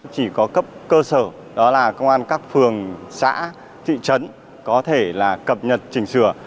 chỉ có cấp cơ sở đó là công an các phường xã thị trấn có thể là cập nhật chỉnh sửa